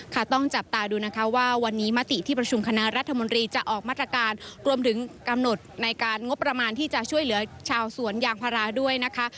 ต้องจับตาดูนะคะว่าวันนี้มติที่ประชุมคณะรัฐมนตรีจะออกมาตรการรวมถึงกำหนดในการงบประมาณที่จะช่วยเหลือชาวสวนยางพาราด้วยนะคะ